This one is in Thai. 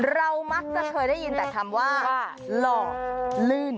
เรามักจะเคยได้ยินแต่คำว่าหล่อลื่น